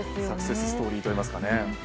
サクセスストーリーといいますかね。